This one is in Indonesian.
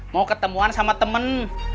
mau ketemuan sama temen